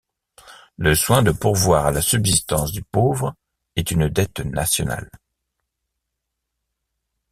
Le soin de pourvoir à la subsistance du pauvre est une dette nationale.